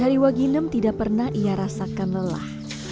hari waginem tidak pernah ia rasakan lelah